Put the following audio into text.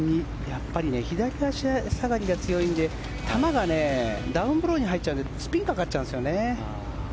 やっぱり左足下がりが強いんで球がダウンブローに入っちゃうのでスピンがかかっちゃうんですよね。